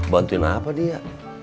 bantuin apa dia